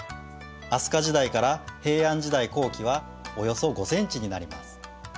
飛鳥時代から平安時代後期はおよそ５センチになります。